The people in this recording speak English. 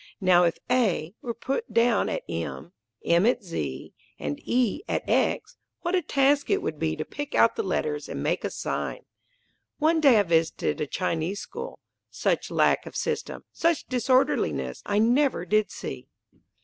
Now if A were put down at M, M at Z, and E at X, what a task it would be to pick out the letters and make a sign! One day I visited a Chinese school. Such lack of system, such disorderliness I never did see!